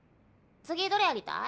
次どれやりたい？